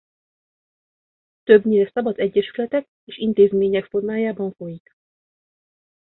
Többnyire szabad egyesületek és intézmények formájában folyik.